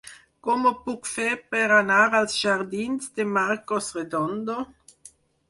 Com ho puc fer per anar als jardins de Marcos Redondo?